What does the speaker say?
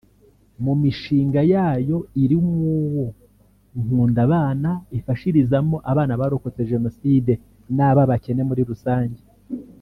mu mishinga yayo irimo uwo “Nkundabana” ifashirizamo abana barokotse jenoside n’ab’abakene muri rusange